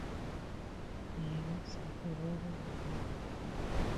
Na ya massa di worry you?